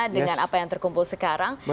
dengan apa yang terkumpul sekarang